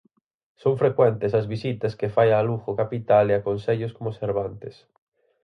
Son frecuentes as visitas que fai a Lugo capital e a concellos como Cervantes.